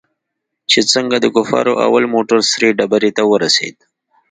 چې څنگه د کفارو اول موټر سرې ډبرې ته ورسېد.